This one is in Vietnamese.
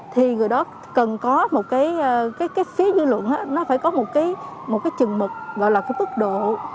thì người đó cần có một cái phía dư luận nó phải có một cái chừng mực gọi là cái mức độ